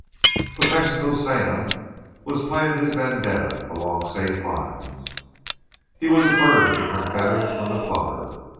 But Mexico Sam was playing his vendetta along safe lines. He was a bird of different feather from the plover.